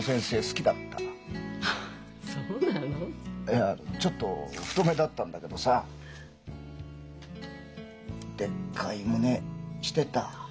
いやちょっと太めだったんだけどさでっかい胸してた。